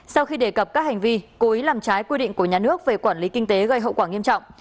sau khi đề cập các hành vi cố ý làm trái quy định của nhà nước về quản lý kinh tế gây hậu quả nghiêm trọng